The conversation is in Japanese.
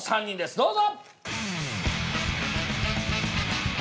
どうぞ！